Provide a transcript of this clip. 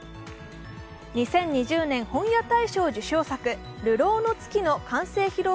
２０２０年本屋大賞受賞作「流浪の月」の完成披露